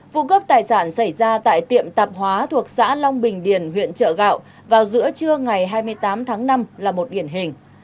vụ cướp tài sản xảy ra tại tiệm tạp hóa thuộc xã long bình điền huyện trợ gạo vào giữa trưa ngày hai mươi tám tháng năm là một điển hình